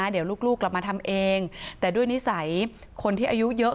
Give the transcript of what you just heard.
เดี๋ยวลูกกลับมาทำเองแต่ด้วยนิสัยคนที่อายุเยอะ